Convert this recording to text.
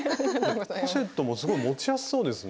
ポシェットもすごい持ちやすそうですね。